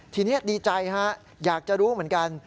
ทีนี้ดีใจฮะอยากจะรู้เหมือนกัน